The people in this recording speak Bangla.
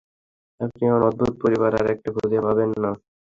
আপনি এমন অদ্ভুত পরিবার আরেকটা খুঁজে পাবেন না।